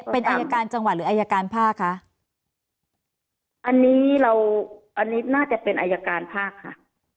เป็นอายการจังหวัดหรืออายการภาคคะอันนี้เราอันนี้น่าจะเป็นอายการภาคค่ะ